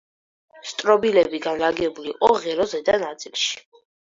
სტრობილები განლაგებული იყო ღეროს ზედა ნაწილში.